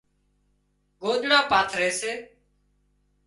ڳوۮڙان پاٿري سي